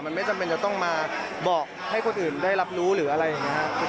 มันไม่จำเป็นจะต้องมาบอกให้คนอื่นได้รับรู้หรืออะไรอย่างนี้ครับ